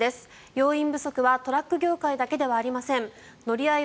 要員不足はトラック業界だけではありません乗り合い